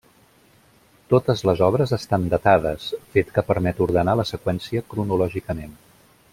Totes les obres estan datades, fet que permet ordenar la seqüència cronològicament.